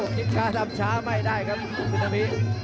โอ้จิ๊ดช้าทำช้าไม่ได้ครับสุนิมิด